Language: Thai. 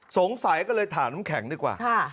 สงสัยก็เลยถามน้ำแข็งดีกว่า